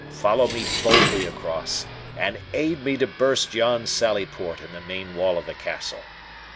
Follow me boldly across, and aid me to burst yon sallyport in the main wall of the castle.